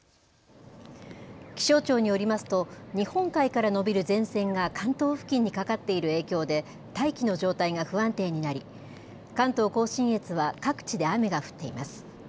気象庁によりますと日本海から延びる前線が関東付近にかかっている影響で大気の状態が不安定になり、関東甲信越は各地で雨が降っています。